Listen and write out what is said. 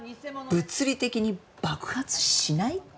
物理的に爆発しない？